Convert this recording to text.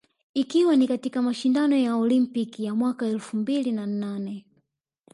ikiwa ni katika mashindano ya olimpiki ya mwaka elfu mbili na nane